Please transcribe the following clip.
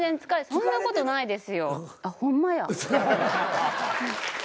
そんな事ないですよ。